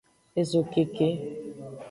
Ezokeke.